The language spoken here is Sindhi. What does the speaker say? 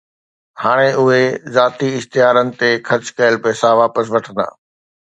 هاڻي اهي ذاتي اشتهارن تي خرچ ڪيل پئسا واپس وٺندا